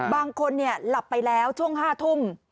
บางคนหลับไปแล้วช่วง๕ทุ่ม